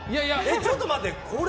ちょっと待って。